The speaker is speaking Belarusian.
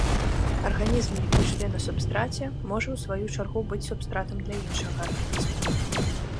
Арганізм, які жыве на субстраце, можа, у сваю чаргу, быць субстратам для іншага арганізма.